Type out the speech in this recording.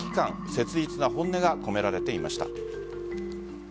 切実な本音が込められていました。